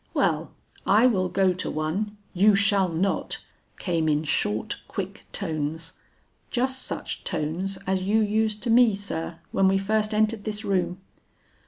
Well I will go to one ' 'You shall not,' came in short quick tones, just such tones as you used to me, sir, when we first entered this room.